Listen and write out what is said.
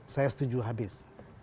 saya setuju habis